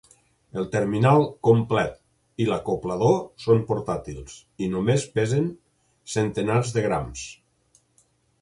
El terminal complet i l'acoplador són portàtils i només pesen centenars de grams.